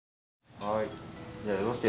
はい。